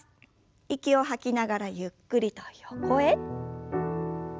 息を吐きながらゆっくりと横へ。